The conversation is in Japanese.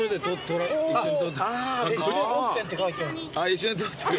一緒に撮ってる。